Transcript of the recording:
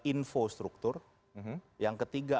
infrastruktur yang ketiga